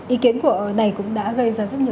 ý kiến của này cũng đã gây ra rất nhiều